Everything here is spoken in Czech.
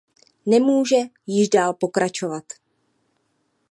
Nemůže již dál pokračovat.